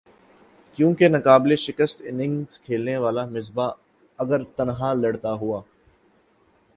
کیونکہکی ناقابل شکست اننگز کھیلنے والا مصباح اگر تن تنہا لڑتا ہوا